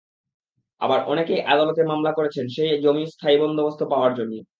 আবার অনেকেই আদালতে মামলা করছেন সেই জমি স্থায়ী বন্দোবস্ত পাওয়ার জন্য।